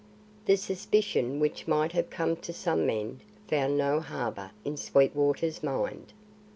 The suspicion which might have come to some men found no harbour in Sweetwater's mind.